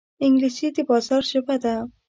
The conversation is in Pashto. انګلیسي د بازار ژبه ده